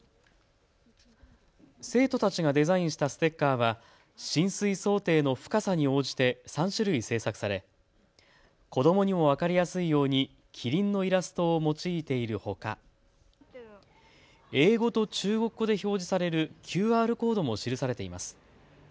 生徒たちがデザインしたステッカーは浸水想定の深さに応じて３種類製作され、子どもにも分かりやすいようにキリンのイラストを用いているほか英語と中国語で表示されるＱＲコードも記されています。